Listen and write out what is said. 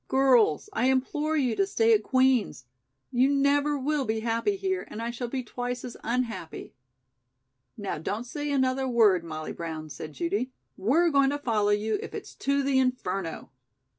Girls, I implore you to stay at Queen's. You never will be happy here, and I shall be twice as unhappy." "Now, don't say another word, Molly Brown," said Judy. "We're going to follow you if it's to the Inferno."